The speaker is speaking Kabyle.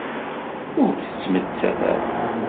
Ur tettmettat ara.